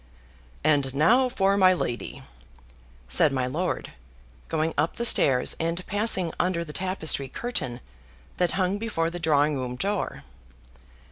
"And now for my lady," said my lord, going up the stairs, and passing under the tapestry curtain that hung before the drawing room door.